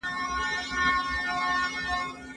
که ښه خلک متحد شي، فساد به ورک شي.